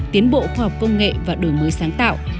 tiến bộ khoa học công nghệ và đổi mới sáng tạo